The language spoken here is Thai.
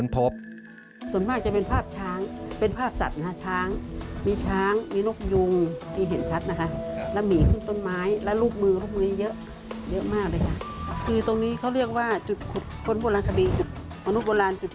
เป็นคนพบ